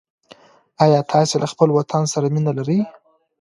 آیا تاسو له خپل وطن سره مینه لرئ؟